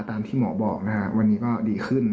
ตามที่หมอบอกวันนี้ก็ดีขึ้น